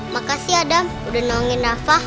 makasih adam udah naungin nafah